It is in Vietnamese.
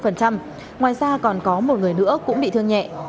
ngoài ra còn có một người nữa cũng bị thương nhẹ